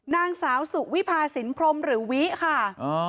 นางสาวสุวิพาสินพรมหรือวิค่ะ